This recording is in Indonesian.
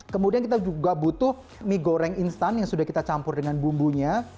kemudian kita juga butuh mie goreng instan yang sudah kita campur dengan bumbunya